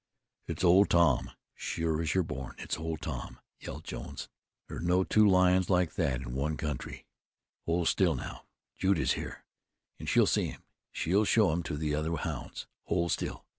"It's Old Tom! sure as you're born! It's Old Tom!" yelled Jones. "There's no two lions like that in one country. Hold still now. Jude is here, and she'll see him, she'll show him to the other hounds. Hold still!"